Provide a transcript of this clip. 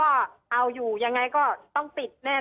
ตอนที่จะไปอยู่โรงเรียนนี้แปลว่าเรียนจบมไหนคะ